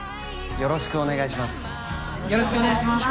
よろしくお願いします。